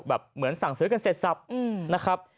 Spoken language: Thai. แบบเหมือนสั่งเสือกันเสร็จทรัพย์นะครับ